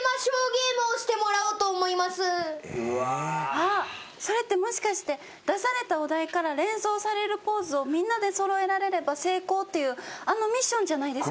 あっそれってもしかして出されたお題から連想されるポーズをみんなで揃えられれば成功っていうあのミッションじゃないですか？